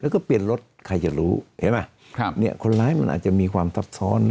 ก็เปลี่ยนรถใครจะรู้แบบนี้คนร้ายมันอาจจะมีความซับซ้อน